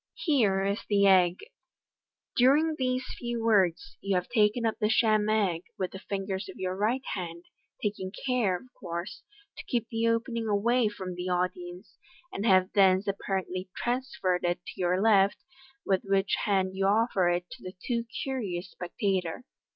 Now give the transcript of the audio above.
Here is the egg. During these few words, you have taken up the sham egg with the fingers of your right hand, taking care, of course, to keep the opening away from the audience, and have thence apparently trans ferred it to your left, with which hand you offer it to the too curious spectator.